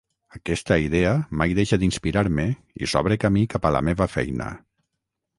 Aquesta idea mai deixa d'inspirar-me i s"obre camí cap a la meva feina.